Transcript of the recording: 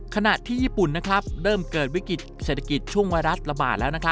ขณะที่ญี่ปุ่นเริ่มเกิดวิกฤตเศรษฐกิจช่วงไวรัสระบาดแล้ว